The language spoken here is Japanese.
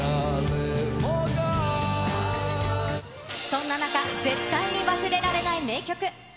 そんな中、絶対に忘れられない名曲。